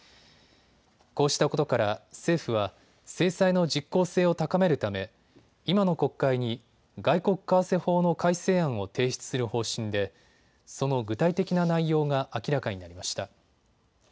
こうしたことから政府は制裁の実効性を高めるため今の国会に外国為替法の改正案を提出する方針でその具体的な内容が明らかになりました。